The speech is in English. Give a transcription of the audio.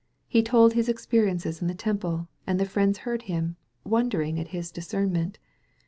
He told his experiences in the Temple, and the friends heard him, wondering at his discernment.